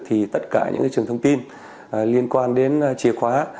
thì tất cả những trường thông tin liên quan đến chìa khóa